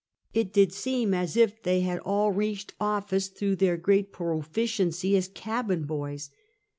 It did seem as if they had all reached office through their great profi ciency as cabin boys.